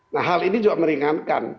nah hal ini juga meringankan